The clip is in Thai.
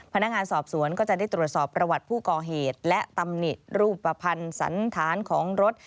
พนักงานสอบสวนก็จะได้ตรวจสอบประวัติผู้ก่อเหตุและตำหนิรูปภัณฑ์สันธารของรถ